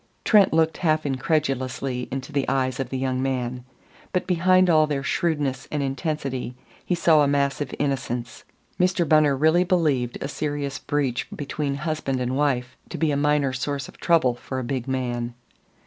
Trent looked half incredulously into the eyes of the young man. But behind all their shrewdness and intensity he saw a massive innocence. Mr. Bunner really believed a serious breach between husband and wife to be a minor source of trouble for a big man.